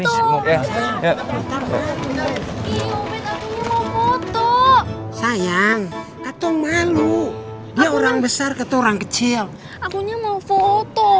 iya mau foto sayang ketemu lu dia orang besar keturang kecil akunya mau foto